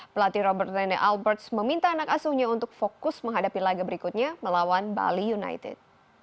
pelatih robert rene alberts meminta anak asuhnya untuk fokus menghadapi laga berikutnya melawan bali united